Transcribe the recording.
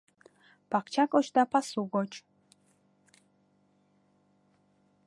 Пакча гоч да пасу гоч